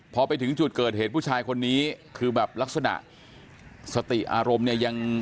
พอไปถึงจุดเกิดเหตุผู้ชายคนนี้คือแบบลักษณะสติอารมณ์เนี่ยยัง